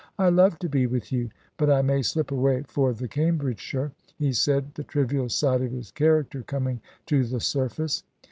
"I love to be with you; but I may slip away for the Cambridgeshire?" he said, the trivial side of his character coming to the surface.